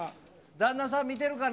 旦那さん、見てるかな？